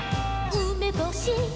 「うめぼし！」